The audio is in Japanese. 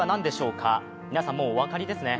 皆さん、もうお分かりですね？